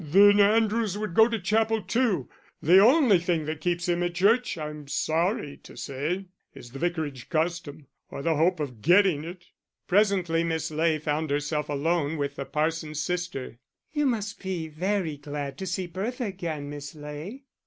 "Then Andrews would go to chapel too. The only thing that keeps them at church, I'm sorry to say, is the Vicarage custom, or the hope of getting it." Presently Miss Ley found herself alone with the parson's sister. "You must be very glad to see Bertha again, Miss Ley."